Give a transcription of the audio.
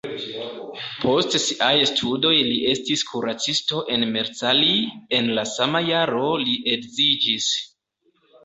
Post siaj studoj li estis kuracisto en Marcali, en la sama jaro li edziĝis.